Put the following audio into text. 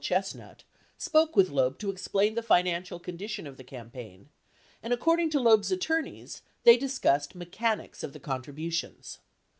Chestnut, spoke with Loeb to explain the financial condition of the campaign and according to Loeb's attorneys, they discussed "mechanics of the contributions."